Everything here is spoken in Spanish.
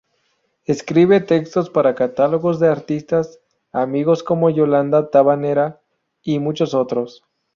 Escribe textos para catálogos de artistas amigos como Yolanda Tabanera, y muchos otros.